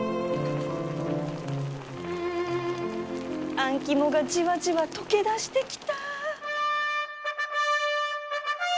あん肝がじわじわ溶けだしてきた